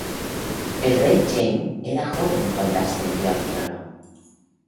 El rey Cheng era joven cuando ascendió al trono.